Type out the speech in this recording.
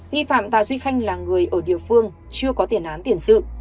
nghi phạm tà duy khanh là người ở địa phương chưa có tiền án tiền sự